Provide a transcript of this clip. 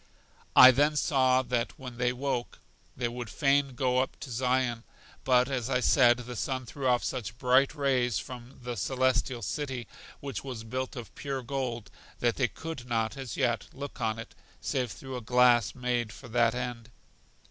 I then saw that when they woke, they would fain go up to Zion; but as I said, the sun threw off such bright rays from The Celestial City, which was built of pure gold, that they could not, as yet, look on it, save through a glass made for that end.